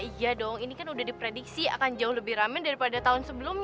iya dong ini kan udah diprediksi akan jauh lebih ramen daripada tahun sebelumnya